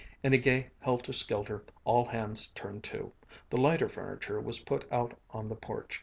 In a gay helter skelter all hands turned to. The lighter furniture was put out on the porch.